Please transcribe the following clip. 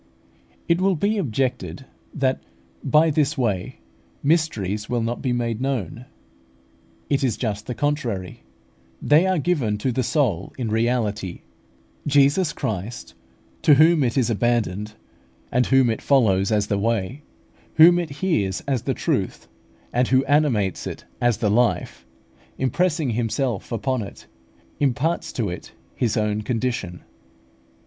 It will be objected that, by this way, mysteries will not be made known. It is just the contrary; they are given to the soul in reality. Jesus Christ, to whom it is abandoned, and whom it follows as the Way, whom it hears as the Truth, and who animates it as the Life, impressing Himself upon it, imparts to it His own condition.